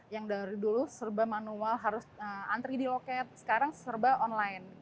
yang dari dulu serba manual harus antri di loket sekarang serba online